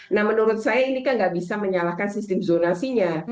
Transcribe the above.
nah menurut saya ini kan nggak bisa menyalahkan sistem zonasinya